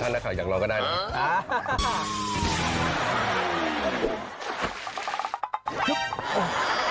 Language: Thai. แต่ถ้าน่าข่าวอยากลองก็ได้เลย